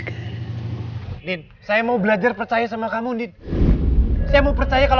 apa aku harus percaya sama kamu sekarang mas